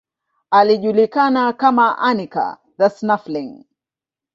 Alijulikana kama Anica the Snuffling.